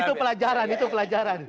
itu pelajaran itu pelajaran